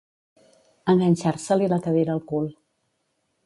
Enganxar-se-li la cadira al cul.